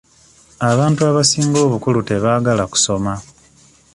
Abantu abasinga obukulu tebaagala kusoma.